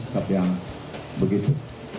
tapi yang begitu